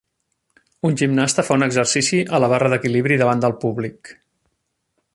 Un gimnasta fa un exercici a la barra d'equilibri davant del públic.